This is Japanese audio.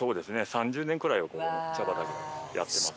３０年くらいはここの茶畑やってます。